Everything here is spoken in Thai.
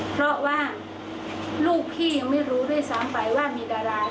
เพราะว่าลูกพี่ยังไม่รู้ด้วยซ้ำไปว่ามีดารา